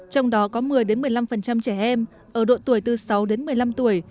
trong đó có một mươi một mươi năm trẻ em ở độ tuổi từ sáu đến một mươi năm tuổi